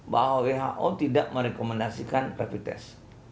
bahwa who tidak merekomendasikan rapi tes